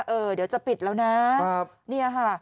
เออเดี๋ยวจะปิดแล้วนะนี่ฮะ